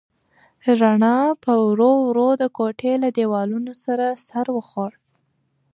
رڼا په ورو ورو د کوټې له دیوالونو سر وخوړ.